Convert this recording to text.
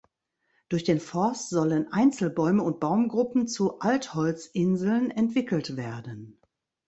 Durch den Forst sollen Einzelbäume und Baumgruppen zu Altholzinseln entwickelt werden.